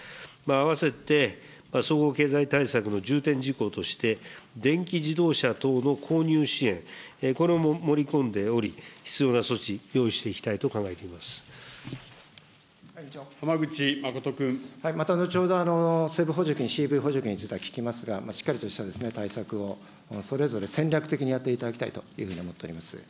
併せて総合経済対策の重点事項として、電気自動車等の購入支援、これも盛り込んでおり、必要な措置、浜口誠君。また後ほど、ＣＥＶ補助金について聞きますが、しっかりとした対策を、それぞれ戦略的にやっていただきたいというふうに思っております。